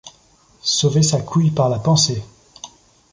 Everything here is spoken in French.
Sauver sa couille par la pensée.